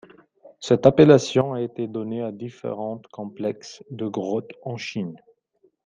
Cette appellation a été donnée à différents complexes de grottes en Chine.